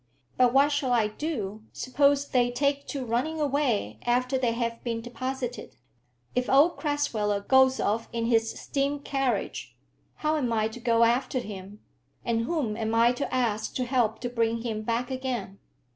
But what shall I do suppose they take to running away after they have been deposited? If old Crasweller goes off in his steam carriage, how am I to go after him, and whom am I to ask to help to bring him back again?"